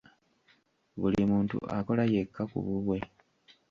Buli muntu akola yekka ku bubwe.